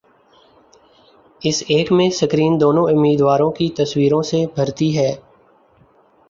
اس ایک میں سکرین دونوں امیدواروں کی تصویروں سے بھرتی ہے